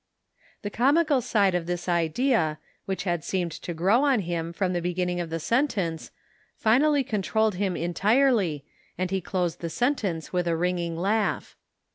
The comical side of this idea, which had seemed to grow on him from the beginning of the sentence, finally controlled him entirely, and he closed the sentence with a ringing laugh.